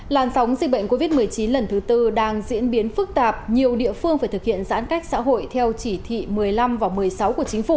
làn sóng dịch bệnh covid một mươi chín lần thứ tư đang diễn biến phức tạp nhiều địa phương phải thực hiện giãn cách xã hội theo chỉ thị một mươi năm và một mươi sáu của chính phủ